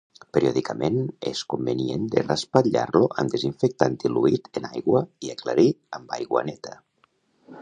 Periòdicament, és convenient de raspallar-lo amb desinfectant diluït en aigua i aclarir amb aigua neta.